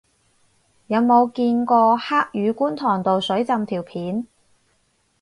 有冇見過黑雨觀塘道水浸條片